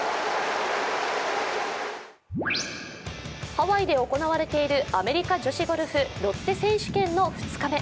ハワイで行われているアメリカ女子ゴルフロッテ選手権の２日目。